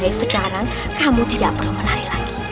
dari sekarang kamu tidak pernah menari lagi